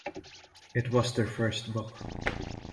It was their first book.